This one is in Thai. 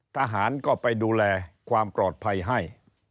ทหารก็ไปดูแลความปลอดภัยให้